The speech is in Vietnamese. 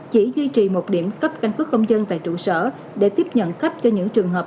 chỉ duy trì một điểm cấp căn cước công dân tại trụ sở để tiếp nhận cấp cho những trường hợp